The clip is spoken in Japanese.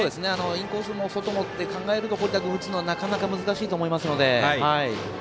インコースも外もって考えると堀田君、打つのはなかなか難しいと思いますので。